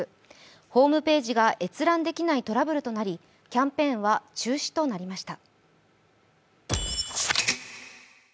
ホームページが閲覧できないトラブルとなりキャンペーンは中止となりました。